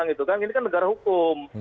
ini kan negara hukum